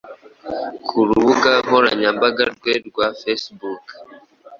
ku rubuga nkoranyambaga rwe rwa Facebook